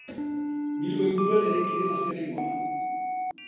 Bilbo inguruan eraiki den azkenengoa.